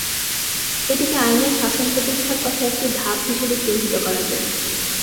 এটিকে আইনের শাসন প্রতিষ্ঠার পথে একটি ধাপ হিসেবে চিহ্নিত করা যায়।